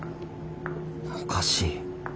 おかしい。